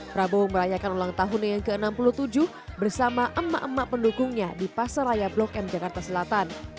prabowo merayakan ulang tahunnya yang ke enam puluh tujuh bersama emak emak pendukungnya di pasaraya blok m jakarta selatan